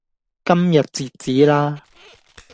今日截止啦